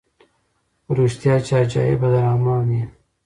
په ریشتیا چي عجایبه د رحمان یې